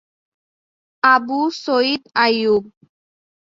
Abu Sayeed Ayub